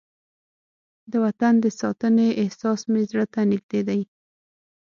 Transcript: د وطن د ساتنې احساس مې زړه ته نږدې دی.